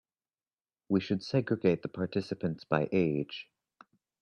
We should segregate the participants by age.